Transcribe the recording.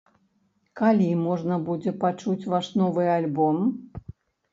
Калі можна будзе пачуць ваш новы альбом?